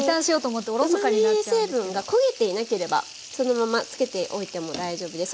うまみ成分が焦げていなければそのまま付けておいても大丈夫です。